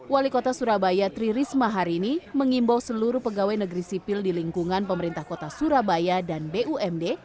wali kota surabaya tri risma hari ini mengimbau seluruh pegawai negeri sipil di lingkungan pemerintah kota surabaya dan bumd